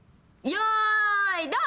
よーいドン。